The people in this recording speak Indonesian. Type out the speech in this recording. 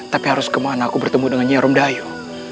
tapi harus kemana aku bertemu dengan nyaro mdayu